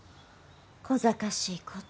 こざかしいこと。